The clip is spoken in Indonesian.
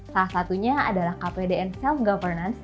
salah satunya adalah kpdn self governance